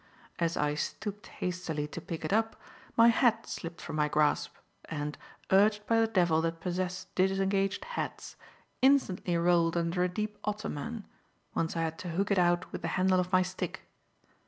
As I stooped hastily to pick it up, my hat slipped from my grasp, and, urged by the devil that possess disengaged hats, instantly rolled under a deep ottoman, whence I had to hook it out with the handle of my stick.